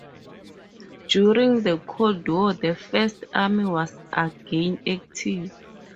During the Cold War the First Army was again active.